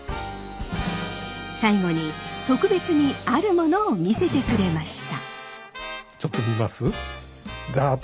最後に特別にあるものを見せてくれました。